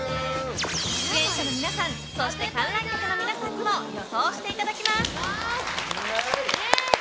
出演者の皆さんそして観覧客の皆さんにも予想していただきます。